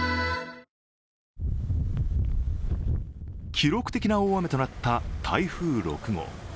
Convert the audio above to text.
記録的な大雨となった台風６号。